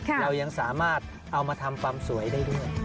เรายังสามารถเอามาทำความสวยได้ด้วย